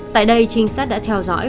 tại đây trinh sát đã theo dõi